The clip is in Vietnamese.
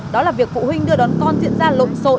đó là việc phụ huynh đưa đón con diễn ra lộn xộn